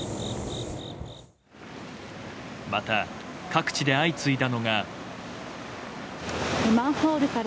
また、各地で相次いだのが。